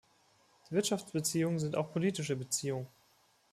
Wirtschaftsbeziehungen sind auch politische Beziehungen.